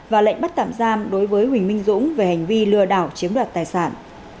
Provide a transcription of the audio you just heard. và lệnh bắt tạm giam đối với huỳnh minh dũng về hành vi lừa đảo chiếm đoạt tài sản